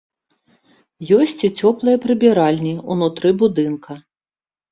Ёсць і цёплыя прыбіральні ўнутры будынка.